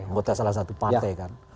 anggota salah satu partai kan